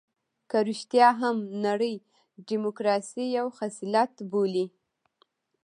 که رښتيا هم نړۍ ډيموکراسي یو خصلت بولي.